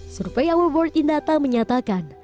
survei our world in data menyatakan